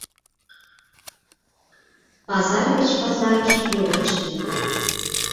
Пазар деч пазарыш веле чием.